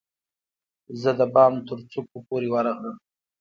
زه د بام ترڅوکو پورې ورغلم